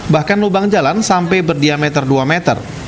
bahkan lubang jalan sampai berdiameter dua meter